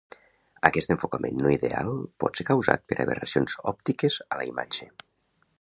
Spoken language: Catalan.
Aquest enfocament no ideal pot ser causat per aberracions òptiques a la imatge.